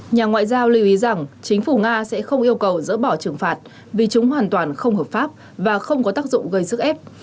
nhà ngoại giao lưu ý rằng chính phủ nga sẽ không yêu cầu dỡ bỏ trừng phạt vì chúng hoàn toàn không hợp pháp và không có tác dụng gây sức ép